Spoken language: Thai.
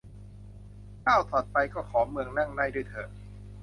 ก้าวถัดไปก็ขอ เมืองนั่งได้ ด้วยเถิด